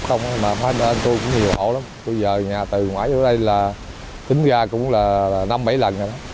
không mà hôm nay anh tôi cũng nhiều hộ lắm bây giờ nhà từ ngoài vô đây là tính ra cũng là năm bảy lần rồi đó